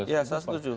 ya saya setuju